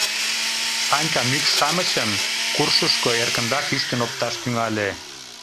Санька мӱкш-шамычым куршышко эркынрак ӱштын опташ тӱҥале.